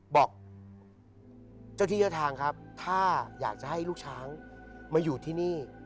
บอกเจ้าที่เจ้าทางครับถ้าอยากจะให้ลูกช้างมาอยู่ที่นี่